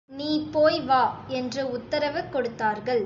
நீ போய் வா என்று உத்தரவு கொடுத்தார்கள்.